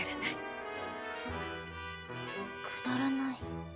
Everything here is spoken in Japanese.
あっくだらない。